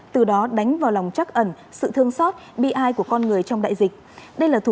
từ đó đánh vào lòng chắc ẩn sự thương xót bi ai của con người trong đại dịch